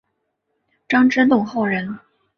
张之洞后人。